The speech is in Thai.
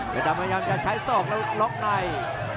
เพชรดำพยายามจะใช้ซอกแล้วล็อกไนด์